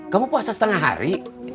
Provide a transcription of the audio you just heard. kamu puasa setengah hari